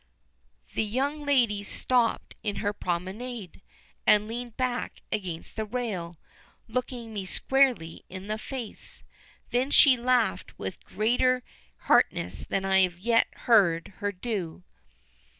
The young lady stopped in her promenade, and leaned back against the rail, looking me squarely in the face. Then she laughed with greater heartiness than I had yet heard her do.